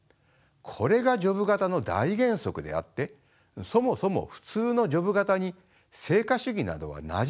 これがジョブ型の大原則であってそもそも普通のジョブ型に成果主義などはなじまないのです。